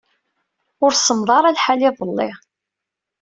Ur semmeḍ ara lḥal iḍelli.